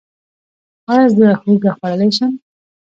ایا زه هوږه خوړلی شم؟